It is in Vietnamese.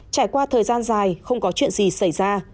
trải qua thời gian dài không có chuyện gì xảy ra